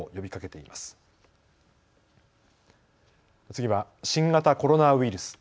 次は新型コロナウイルス。